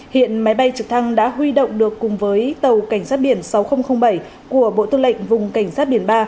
hiện máy bay trực thăng đã huy động được cùng với tàu cảnh sát biển sáu nghìn bảy của bộ tư lệnh vùng cảnh sát biển ba